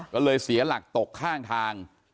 ก็เลยเสียหลักตกข้างทาง